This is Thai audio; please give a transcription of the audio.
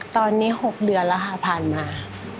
ตอนนี้๖เดือนแล้วค่ะผ่านมา